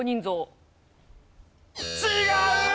違う！